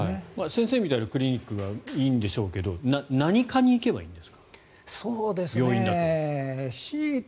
先生みたいなクリニックがいいんでしょうけど何科に行けばいいんですか？